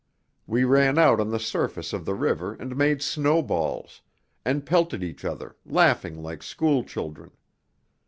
We ran out on the surface of the river and made snowballs, and pelted each other, laughing like school children.